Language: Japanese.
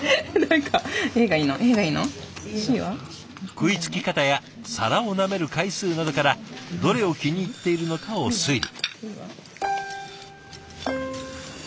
食いつき方や皿をなめる回数などからどれを気に入っているのかを推理。